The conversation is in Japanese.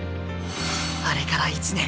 あれから１年。